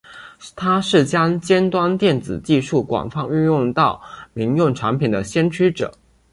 他是将尖端电子技术广泛运用到民用产品的先驱者。